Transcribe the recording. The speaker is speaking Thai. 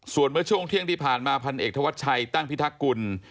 ส่วนเมื่อช่วงเที่ยงที่ผ่านมาพันเอกธวัชชัยตั้งพิทักกุล